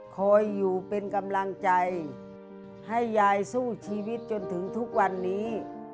คอยอยู่เป็นกำลังใจให้ยายสู้ชีวิตจนถึงทุกวันนี้